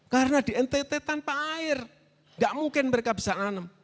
karena di ntt tanpa air gak mungkin mereka bisa nanem